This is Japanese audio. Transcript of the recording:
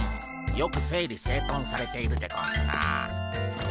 よく整理整頓されているでゴンスな。